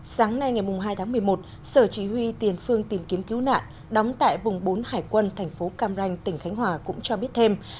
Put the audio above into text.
sáng nay ngày hai tháng một mươi một sở chỉ huy tiền phương tìm kiếm cứu nạn đóng tại vùng bốn hải quân thành phố cam ranh tỉnh khánh hòa cũng cho biết thêm